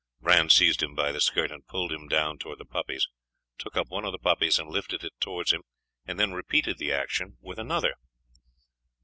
Bran seized him by the skirt, and pulled him down towards the puppies; took up one of the puppies and lifted it towards him; and then repeated the action with another.